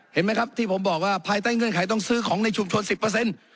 เห็นไหมครับที่ผมบอกว่าภายใต้เงื่อนไขต้องซื้อของในชุมชนสิบเปอร์เซ็นต์